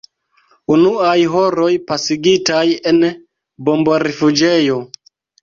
Unuaj horoj, pasigitaj en bombrifuĝejo.